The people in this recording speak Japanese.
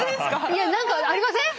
いや何かありません？